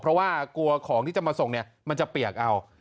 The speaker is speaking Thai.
เพราะว่ากลัวของที่จะมาส่งเนี่ยมันจะเปียกเอา